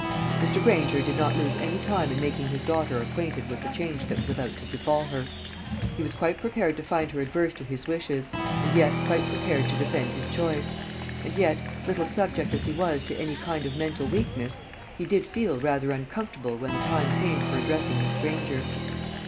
Mr. Granger did not lose any time in making his daughter acquainted with the change that was about to befall her. He was quite prepared to find her adverse to his wishes, and quite prepared to defend his choice; and yet, little subject as he was to any kind of mental weakness, he did feel rather uncomfortable when the time came for addressing Miss Granger.